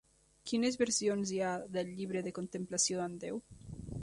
Quines versions hi ha d'El Llibre de contemplació en Déu?